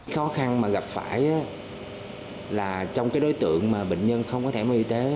khó khăn mà gặp phải là trong đối tượng bệnh nhân không có thẻ bảo hiểm y tế